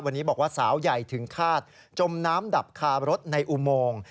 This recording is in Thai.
วันนี้บอกว่าสาวใหญ่ถึงคาดจมน้ำดับคารถในอุโมง